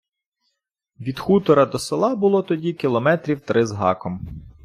Від хутора до села було тоді кілометрів три з гаком.